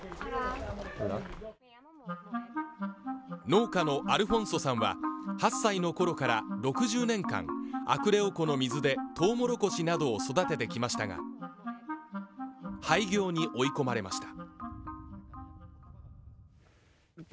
農家のアルフォンソさんは８歳のころから６０年間アクレオ湖の水でとうもろこしなどを育ててきましたが廃業に追い込まれました